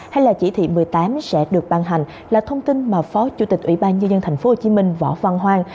hay là chỉ thị một mươi tám sẽ được ban hành là thông tin mà phó chủ tịch ủy ban nhân dân tp hcm võ văn hoang